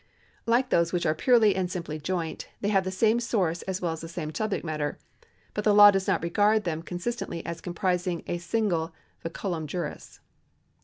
Like those which are purely and simply joint, they have the same source as well as the same subject matter ; but the law does not regard them consistently as comprising a single vinculum juris.